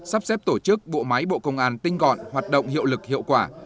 sắp xếp tổ chức bộ máy bộ công an tinh gọn hoạt động hiệu lực hiệu quả